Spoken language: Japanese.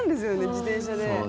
自転車で。